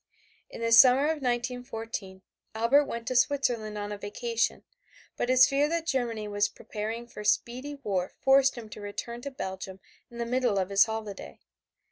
In the summer of 1914, Albert went to Switzerland on a vacation, but his fear that Germany was preparing for speedy war forced him to return to Belgium in the middle of his holiday.